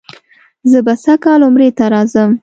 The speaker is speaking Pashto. زه به سږ کال عمرې ته راځم.